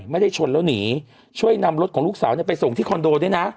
ไม่ได้ชนแล้วหนีช่วยนำรถของลูกสาวไปส่งที่คอนโดด้วยนะ